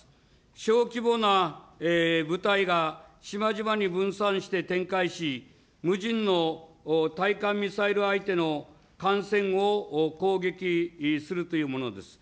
小規模な部隊が島々に分散して展開し、無人の対艦ミサイル相手の艦船を攻撃するというものです。